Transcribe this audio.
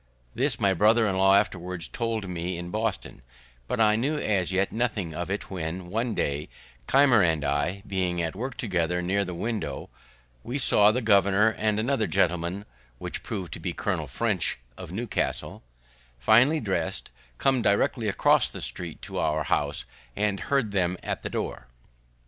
This my brother in law afterwards told me in Boston, but I knew as yet nothing of it; when, one day, Keimer and I being at work together near the window, we saw the governor and another gentleman (which proved to be Colonel French, of Newcastle), finely dress'd, come directly across the street to our house, and heard them at the door.